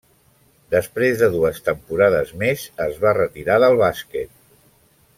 Després de dues temporades més, es va retirar del bàsquet.